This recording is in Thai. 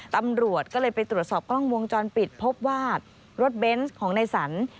ตำรวจก็เลยไปตรวจสอบกล้องวงจรปิดพบว่ารถเบนส์ของนายสัน